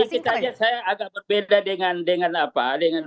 kalau kita lihat saya agak berbeda dengan apa